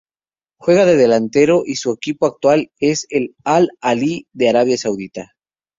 Juega de delantero y su equipo actual es Al-Ahli de Arabia Saudita.